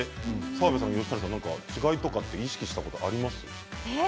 澤部さん、吉谷さん、違いとか意識したことありますか？